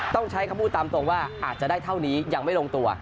ต้องใช้คำพูดตามตรงว่าอาจจะได้เท่านี้ยังไม่ลงตัว